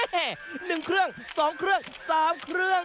หนึ่งเครื่องสองเครื่องสามเครื่อง